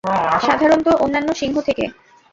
সাধারণত অন্যান্য সিংহ থেকে।